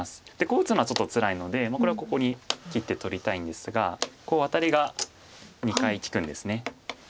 こう打つのはちょっとつらいのでこれはここに切って取りたいんですがワタリが２回利くんです。